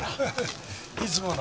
いつもの？